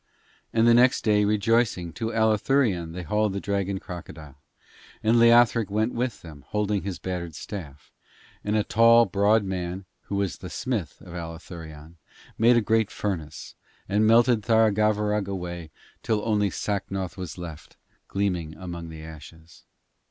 And the next day, rejoicing, to Allathurion they hauled the dragon crocodile. And Leothric went with them, holding his battered staff; and a tall, broad man, who was smith of Allathurion, made a great furnace, and melted Tharagavverug away till only Sacnoth was left, gleaming among the ashes.